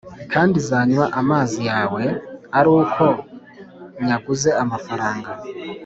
kandi nzanywa amazi yawe ari uko nyaguze amafaranga.